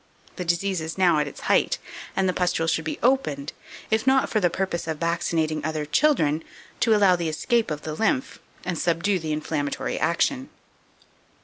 The disease is now at its height, and the pustule should be opened, if not for the purpose of vaccinating other children, to allow the escape of the lymph, and subdue the inflammatory action.